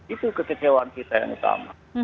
itu kekecewaan kita yang sama